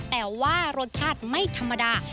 แต่ว่ารสชาติไม่ธรรมดา